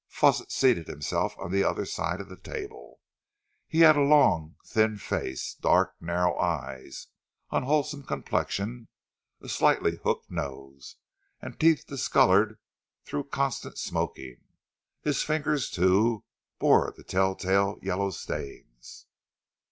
Fawsitt seated himself on the other side of the table. He had a long, thin face, dark, narrow eyes, unwholesome complexion, a slightly hooked nose, and teeth discoloured through constant smoking. His fingers, too, bore the tell tale yellow stains.